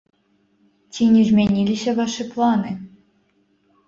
Ці не змяніліся вашы планы?